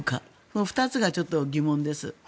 この２つがちょっと疑問です。